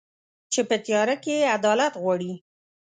چي په تیاره کي عدالت غواړي